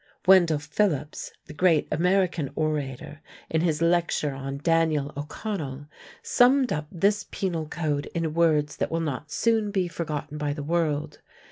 Wendell Phillips, the great American orator, in his lecture on "Daniel O'Connell," summed up this Penal Code in words that will not soon be forgotten by the world.